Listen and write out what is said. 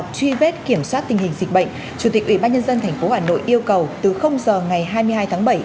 chủ tịch ủy ban nhân dân tp hà nội yêu cầu từ giờ ngày hai mươi hai tháng bảy